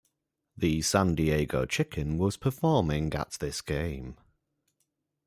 The San Diego Chicken was performing at this game.